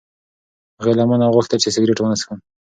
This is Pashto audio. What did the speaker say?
هغې له ما نه وغوښتل چې سګرټ ونه څښم.